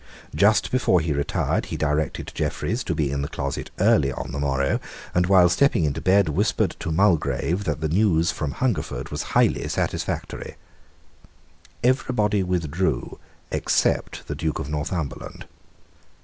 Just before he retired he directed Jeffreys to be in the closet early on the morrow; and, while stepping into bed, whispered to Mulgrave that the news from Hungerford was highly satisfactory. Everybody withdrew except the Duke of Northumberland.